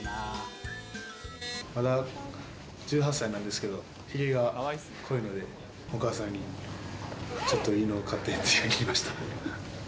まだ１８歳なんですけど、ひげが濃いので、お母さんに、ちょっといいの買ってって言いました。